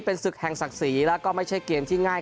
เป็นศึกแห่งศักดิ์ศรีแล้วก็ไม่ใช่เกมที่ง่าย